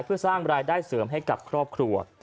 เพื่อสร้างรายได้เสริมให้กับครอบครัว